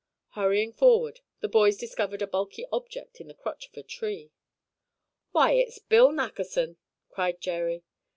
Hurrying forward, the boys discovered a bulky object in the crotch of a tree. "Why, it's Bill Nackerson!" cried Jerry.